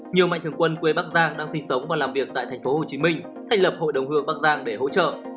nhiều mạnh thường quân quê bắc giang đang sinh sống và làm việc tại tp hcm thành lập hội đồng hương bắc giang để hỗ trợ